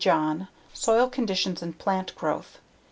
John. _Soil Conditions and Plant Growth.